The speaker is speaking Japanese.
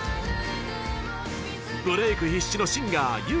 ブレーク必至のシンガー由